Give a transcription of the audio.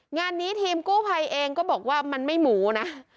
งานนี้ทีมกู้ภัยเองก็บอกว่ามันไม่หมูนะ